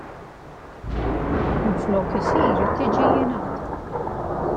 Minflok " isir " tiġi " jingħata ".